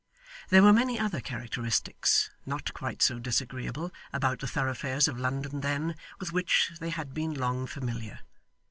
There were many other characteristics not quite so disagreeable about the thoroughfares of London then, with which they had been long familiar.